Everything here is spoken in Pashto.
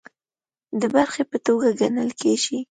د برخې په توګه ګڼل کیږي